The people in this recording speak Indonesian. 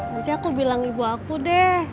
nanti aku bilang ibu aku deh